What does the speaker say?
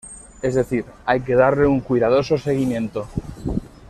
Es decir, hay que darle un cuidadoso seguimiento.